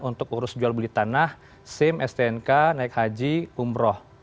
untuk urus jual beli tanah sim stnk naik haji umroh